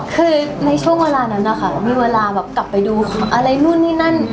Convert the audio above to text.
คือในช่วงเวลานั้นนะคะมีเวลาแบบกลับไปดูอะไรนู่นนี่นั่น